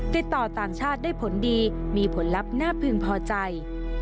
ติดต่อต่างชาติได้ผลดีมีผลลัพธ์น่าพึงพอใจ